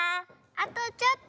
あとちょっと。